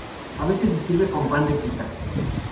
A veces se sirve con pan de pita.